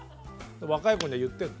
若い子には言ってんの。